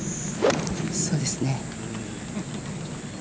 そうですね。